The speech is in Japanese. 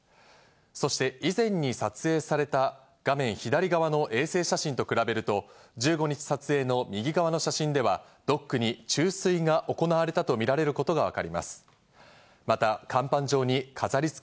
そして以前に撮影された画面左側の衛星写真と比べると、１５日撮影の右側の写真ではドックに注水が行われたとみられることがわかります。